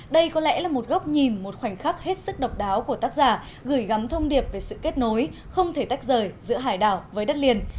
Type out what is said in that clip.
đây có lẽ là một góc nhìn một khoảnh khắc hết sức độc đáo của tác giả gửi gắm thông điệp về sự kết nối không thể tách rời giữa hải đảo với đất liền